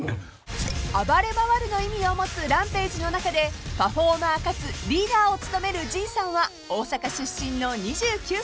［暴れ回るの意味を持つＲＡＭＰＡＧＥの中でパフォーマーかつリーダーを務める陣さんは大阪出身の２９歳］